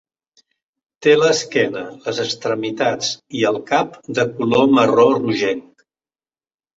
Té l'esquena, les extremitats i el cap de color marró rogenc.